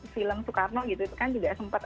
film soekarno gitu kan juga sempat